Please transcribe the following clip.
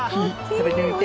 食べてみて。